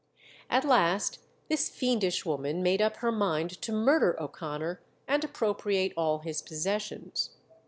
At last this fiendish woman made up her mind to murder O'Connor and appropriate all his possessions.